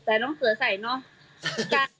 แต่น้องเสือใส่เนอะ